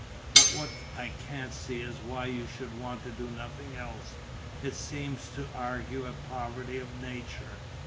But what I can't see is why you should want to do nothing else. It seems to argue a poverty of nature."